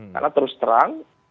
karena terus terang